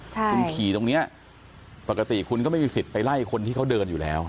คุณขี่ตรงเนี้ยปกติคุณก็ไม่มีสิทธิ์ไปไล่คนที่เขาเดินอยู่แล้ว